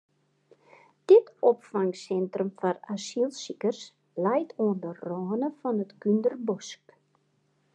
Dit opfangsintrum foar asylsikers leit oan de râne fan it Kúnderbosk.